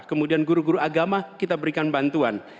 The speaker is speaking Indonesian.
kemudian guru guru agama kita berikan bantuan